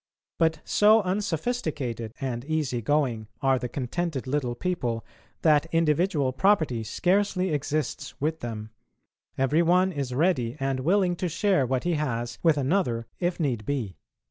But so unsophisticated and easy going are the contented little people that individual property scarcely exists with them; every one is ready and willing to share what he has with another if need be.